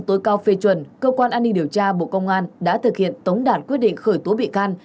tối cao phê chuẩn cơ quan an ninh điều tra bộ công an đã thực hiện tống đạt quyết định khởi tố bị can